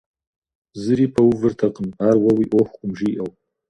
Зыри пэувыртэкъым, ар уэ уи Ӏуэхукъым, жиӀэу.